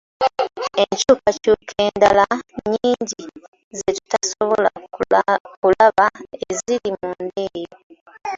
Enkyukakyuka endala nnyingi ze tutasobola kulaba eziri munda eyo.